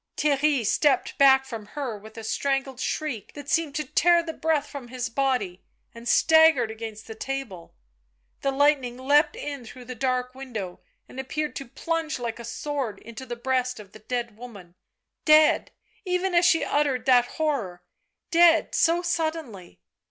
Theirry stepped back from her with a strangled shriek that seemed to tear the breath from his body, and staggered against the table. The lightning leapt in through the dark window, and appeared to plunge like a sword into the breast of the dead woman. Dead ! —even as she uttered that horror — dead so suddenly.